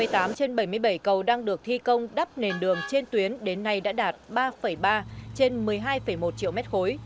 hai mươi tám trên bảy mươi bảy cầu đang được thi công đắp nền đường trên tuyến đến nay đã đạt ba ba trên một mươi hai một triệu mét khối